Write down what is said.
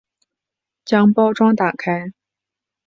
将包装打开